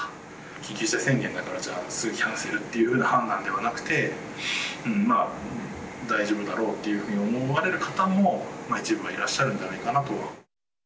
緊急事態宣言だから、じゃあ、すぐキャンセルという判断ではなくて、大丈夫だろうというふうに思われる方も、一部はいらっしゃるんではないかなと。